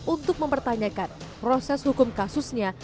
untuk mempertanyakan proses hukum kasusnya